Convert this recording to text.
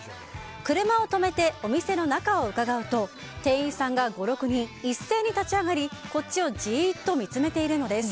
車を止めてお店の中をうかがうと店員さんが５６人一斉に立ち上がりこっちをじっと見つめているのです。